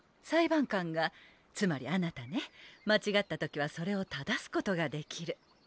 裁判官がつまりあなたね間違った時はそれを正すことができる。